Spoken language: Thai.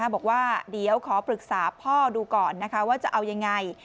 บอกว่าเดี๋ยวขอปรึกษาพ่อดูก่อนว่าจะเอายังไง